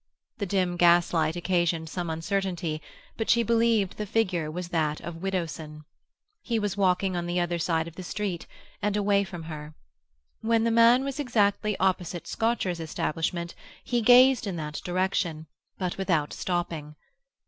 The dim gaslight occasioned some uncertainty, but she believed the figure was that of Widdowson. He was walking on the other side of the street, and away from her. When the man was exactly opposite Scotcher's establishment he gazed in that direction, but without stopping.